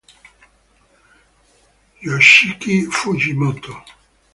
Yoshiki Fujimoto